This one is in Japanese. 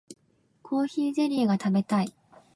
コーヒーゼリーが食べたい